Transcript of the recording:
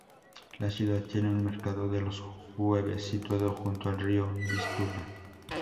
La ciudad tiene un mercado de los jueves, situado junto al río Vístula.